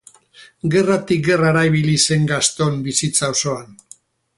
Gerratik gerrara ibili zen Gaston bizitza osoan.